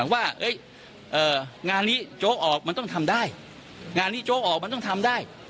ว่างานนี้โจ๊กออกมันต้องทำได้งานนี้โจ๊กออกมันต้องทำได้